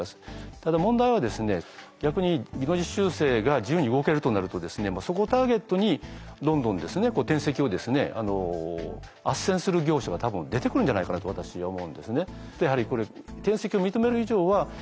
ただ問題は逆に技能実習生が自由に動けるとなるとそこをターゲットにどんどん転籍をあっせんする業者が多分出てくるんじゃないかなと私思うんですね。